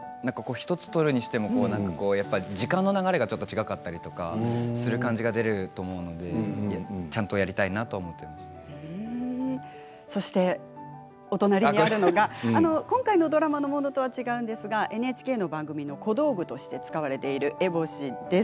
１つとるにしても時間の流れがちょっと違かったりとかする感じが出ると思うのでちゃんとやりたいなとそしてお隣にあるのが今回ドラマのものとは違うんですがＮＨＫの番組の小道具として使われている烏帽子です。